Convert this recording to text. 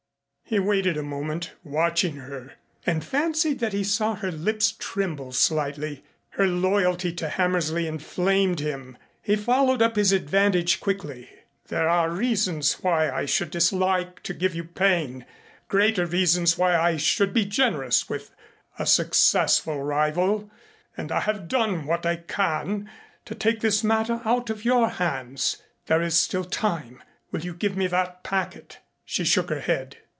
He waited a moment, watching her, and fancied that he saw her lips tremble slightly. Her loyalty to Hammersley inflamed him. He followed up his advantage quickly. "There are reasons why I should dislike to give you pain, greater reasons why I should be generous with a successful rival, and I have done what I can to take this matter out of your hands. There is still time. Will you give me that packet?" She shook her head.